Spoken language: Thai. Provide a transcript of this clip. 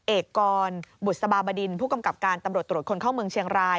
เอกกรบุษบาบดินผู้กำกับการตำรวจตรวจคนเข้าเมืองเชียงราย